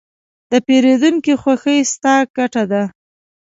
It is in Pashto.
د پیرودونکي خوښي، ستا ګټه ده.